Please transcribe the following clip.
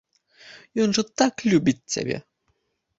Ён жа так любіць цябе.